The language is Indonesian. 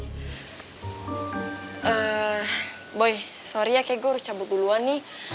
eh sorry ya kayak gue harus cabut duluan nih